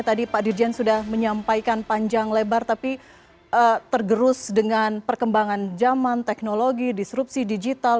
tadi pak dirjen sudah menyampaikan panjang lebar tapi tergerus dengan perkembangan zaman teknologi disrupsi digital